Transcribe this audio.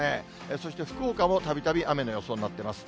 そして福岡も、たびたび雨の予想になっています。